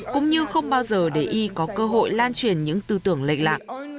cũng như không bao giờ để y có cơ hội lan truyền những tư tưởng lệnh lạ